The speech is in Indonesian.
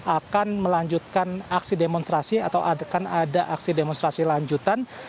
akan melanjutkan aksi demonstrasi atau akan ada aksi demonstrasi lanjutan